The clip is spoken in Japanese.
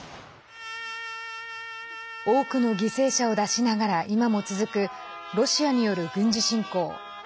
多くの犠牲者を出しながら今も続く、ロシアによる軍事侵攻。